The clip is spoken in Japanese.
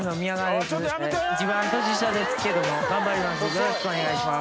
一番年下ですけども頑張ります。